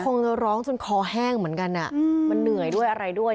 คงจะร้องจนคอแห้งเหมือนกันมันเหนื่อยด้วยอะไรด้วย